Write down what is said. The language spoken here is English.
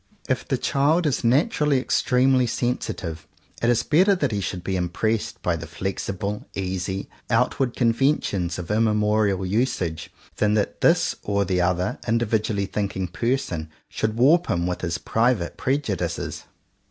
If the child is naturally extremely sensi tive, it is better that he should be impressed by the flexible, easy, outward conventions of immemorial usage, than that this or the other individually thinking person should warp him with his private prejudices.